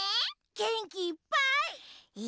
げんきいっぱい。